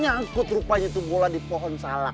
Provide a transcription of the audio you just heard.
nyangkut rupanya itu bola di pohon salah